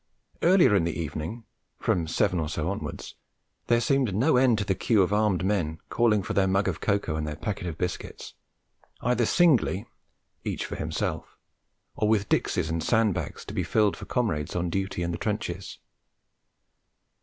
Earlier in the evening, from seven or so onwards, there seemed no end to the queue of armed men, calling for their mug of cocoa and their packet of biscuits, either singly, each for himself, or with dixies and sand bags to be filled for comrades on duty in the trenches.